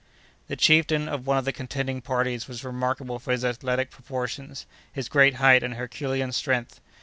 The chieftain of one of the contending parties was remarkable for his athletic proportions, his great height, and herculean strength.